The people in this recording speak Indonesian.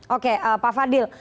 oke pak fadil